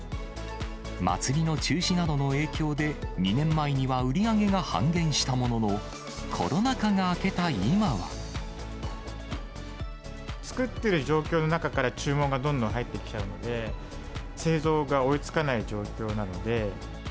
祭りの中止などの影響で、２年前には売り上げが半減したものの、作っている状況の中から、注文がどんどん入ってきちゃうんで、製造が追いつかない状況なので。